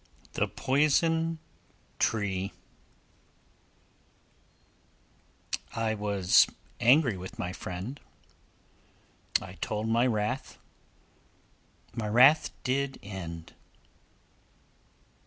A POISON TREE I was angry with my friend: I told my wrath, my wrath did end.